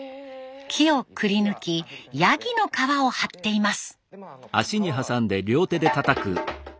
木をくりぬきヤギの皮を張っています。